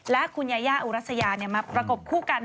และคุณยายาอุรัสยามาประกบคู่กัน